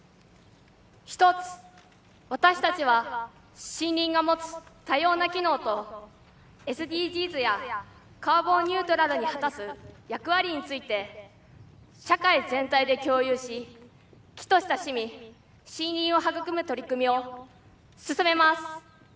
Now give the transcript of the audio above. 一つ私たちは森林が持つ多様な機能とＳＤＧｓやカーボンニュートラルに果たす役割について社会全体で共有し木と親しみ森林を育む取り組みを進めます。